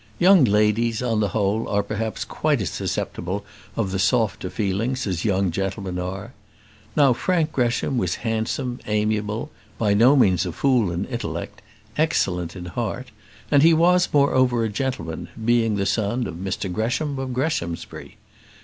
Young ladies, on the whole, are perhaps quite as susceptible of the softer feelings as young gentlemen are. Now Frank Gresham was handsome, amiable, by no means a fool in intellect, excellent in heart; and he was, moreover, a gentleman, being the son of Mr Gresham of Greshamsbury.